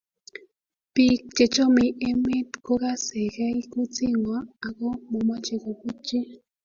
Bik chechomei emet kokasekei kutitngwai ako momoche kobut chi